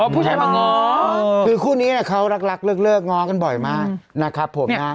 พี่แคล่งมาง้อะคือคู่นี้เขารักเลิกง้อกันบ่อยมากนะครับผมนะครับ